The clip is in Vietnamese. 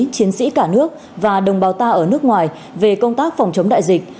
chiến sĩ cả nước và đồng bào ta ở nước ngoài về công tác phòng chống đại dịch